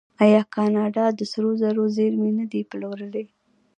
آیا کاناډا د سرو زرو زیرمې نه دي پلورلي؟